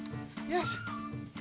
よし！